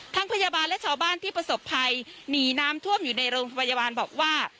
พยาบาลและชาวบ้านที่ประสบภัยหนีน้ำท่วมอยู่ในโรงพยาบาลบอกว่า